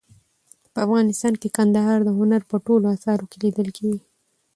په افغانستان کې کندهار د هنر په ټولو اثارو کې لیدل کېږي.